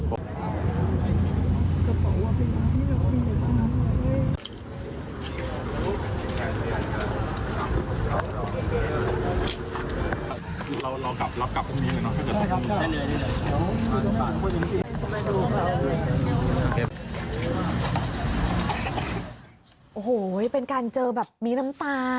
โอ้โหเป็นการเจอแบบมีน้ำตา